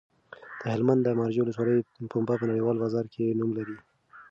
د هلمند د مارجې ولسوالۍ پنبه په نړیوال بازار کې نوم لري.